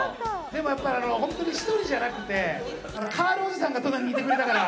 でもやっぱり本当に１人じゃなくてカールおじさんが隣にいてくれたから。